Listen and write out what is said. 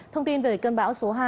thông tin về cơn bão số hai